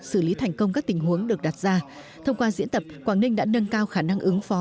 xử lý thành công các tình huống được đặt ra thông qua diễn tập quảng ninh đã nâng cao khả năng ứng phó